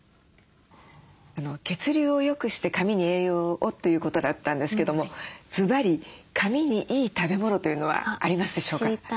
血流をよくして髪に栄養をということだったんですけどもずばり髪にいい食べ物というのはありますでしょうか？